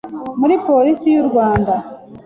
muri Polisi y’u Rwanda,